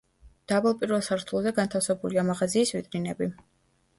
დაბალ პირველ სართულზე განთავსებულია მაღაზიის ვიტრინები.